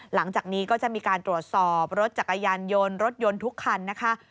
หลังจากนี้ก็จะมีการตรวจสอบรถจักรยานยนต์รถยนต์ทุกคันนะคะ